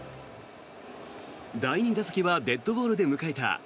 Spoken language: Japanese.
第２打席はデッドボールで迎えた